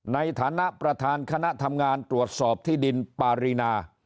ในฐานะประธานคณะทำงานตรวจสอบที่ดินปารีนา